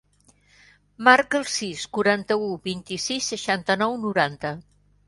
Marca el sis, quaranta-u, vint-i-sis, seixanta-nou, noranta.